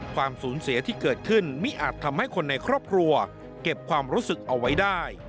ความสูญเสียที่เกิดขึ้นไม่อาจทำให้คนในครอบครัวเก็บความรู้สึกเอาไว้ได้